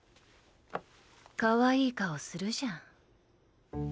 かわいい顔するじゃん。